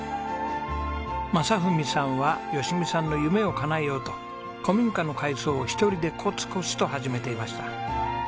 正文さんは吉美さんの夢をかなえようと古民家の改装を１人でコツコツと始めていました。